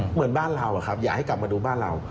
เหมือนบ้านเราอย่าให้กลับมาดูบ้านเรา